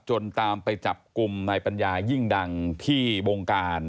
ตามไปจับกลุ่มนายปัญญายิ่งดังที่วงการ